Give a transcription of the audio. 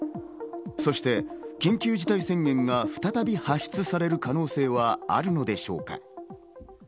そして緊急事態宣言が再び発出される可能性はあるのでしょうか？